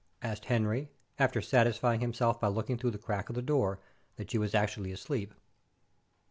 asked Henry, after satisfying himself by looking through the crack of the door that she was actually asleep.